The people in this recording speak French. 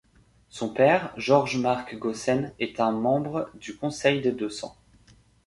Son père, Georges-Marc Gaussen, est un membre du Conseil des Deux-Cents.